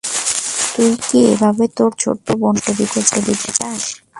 তুই কি এইভাবে তোর ছোট্ট বোনটাকে কষ্ট দিতে চাস?